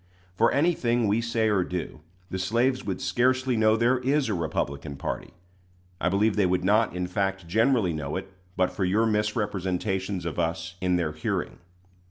For anything we say or do, the slaves would scarcely know there is a Republican party. I believe they would not, in fact, generally know it but for your misrepresentations of us in their hearing.